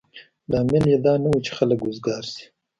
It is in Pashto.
لامل یې دا نه و چې خلک وزګار شي.